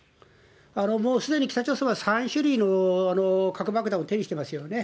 もうすでに北朝鮮は３種類の核爆弾を手にしてますよね。